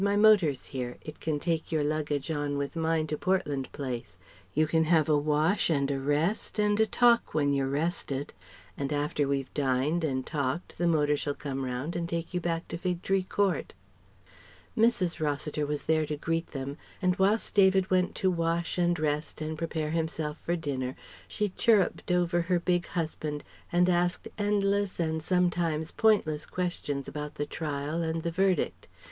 My motor's here. It can take your luggage on with mine to Portland Place. You can have a wash and a rest and a talk when you're rested; and after we've dined and talked the motor shall come round and take you back to Fig Tree Court." Mrs. Rossiter was there to greet them, and whilst David went to wash and rest and prepare himself for dinner, she chirrupped over her big husband, and asked endless and sometimes pointless questions about the trial and the verdict.